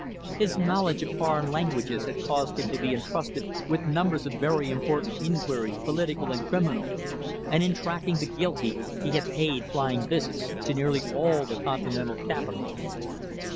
His knowledge of foreign languages had caused him to be entrusted with numbers of very important inquiries political and criminal, and in tracking the guilty he had paid flying visits to nearly all the Continental capitals.